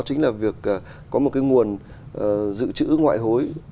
chính là việc có một cái nguồn dự trữ ngoại hối